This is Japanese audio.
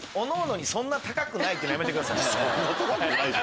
そんな高くないでしょ。